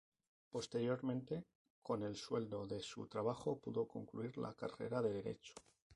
Posteriormente, con el sueldo de su trabajo pudo concluir la carrera de Derecho.